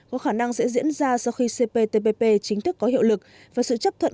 có khả năng sẽ diễn ra sau khi cptpp chính thức có hiệu lực và sự chấp thuận